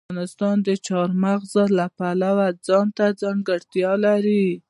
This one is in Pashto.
افغانستان د چار مغز د پلوه ځانته ځانګړتیا لري.